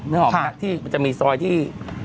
นอกมาที่จะมีซอยที่